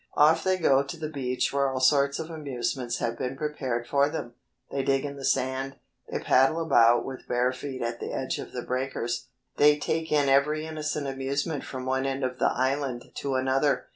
Off they go to the beach where all sorts of amusements have been prepared for them. They dig in the sand. They paddle about with bare feet at the edge of the breakers. They take in every innocent amusement from one end of the island to another.